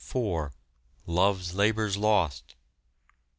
Love's Labour's Lost.